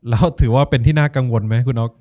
แล้วถือว่าเป็นที่น่ากังวลไหมคุณอ๊อฟ